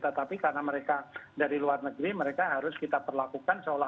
tetapi karena mereka dari luar negeri mereka harus kita perlakukan seolah olah